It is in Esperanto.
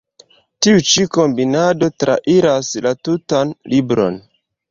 Tiu ĉi „kombinado“ trairas la tutan libron.